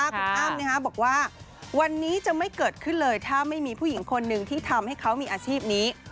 คุณอ้ำบอกว่าวันนี้จะไม่เกิดขึ้นเลยถ้าไม่มีผู้หญิงคนหนึ่งที่ทำให้เขามีอาชีพนี้